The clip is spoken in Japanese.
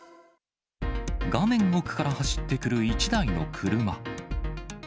画面奥から走ってくる一台の車。